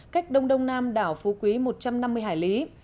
cách đông đông nam đảo phú quý một trăm năm mươi hải lý